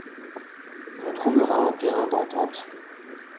On trouvera un terrain d’entente.